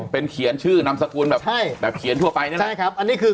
เป็นเขียนชื่อนามสกุลแบบใช่แบบเขียนทั่วไปเนี่ยนะใช่ครับอันนี้คือ